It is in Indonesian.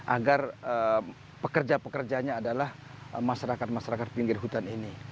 agar pekerja pekerjanya adalah masyarakat masyarakat pinggir hutan ini